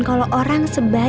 kalo orang sebaliknya